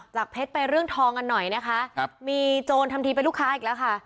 เพชรไปเรื่องทองกันหน่อยนะคะครับมีโจรทำทีเป็นลูกค้าอีกแล้วค่ะ